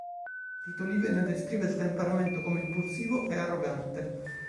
Tito Livio ne descrive il temperamento come impulsivo e arrogante.